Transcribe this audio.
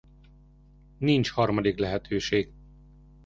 Nincs harmadik lehetőség.